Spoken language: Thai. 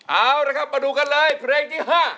เอาละครับมาดูกันเลยเพลงที่๕